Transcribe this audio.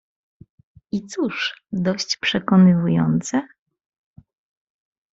"I cóż, dość przekonywujące?"